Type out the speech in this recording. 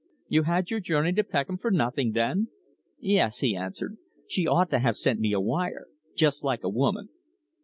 "You had your journey to Peckham for nothing, then?" "Yes," he answered. "She ought to have sent me a wire. Just like a woman."